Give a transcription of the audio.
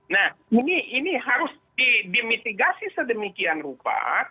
nah ini harus dimitigasi sedemikian rupa